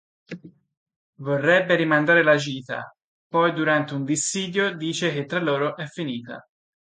Vorrebbe rimandare la gita, poi durante un dissidio dice che tra loro è finita.